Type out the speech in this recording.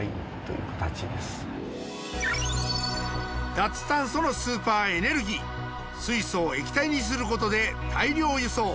脱炭素のスーパーエネルギー水素を液体にすることで大量輸送。